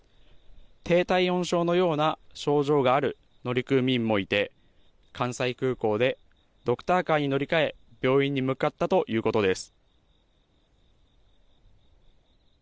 低体温症のような症状がある乗組員もいて、関西空港でドクターカーに乗り換え、病院に向かったということです。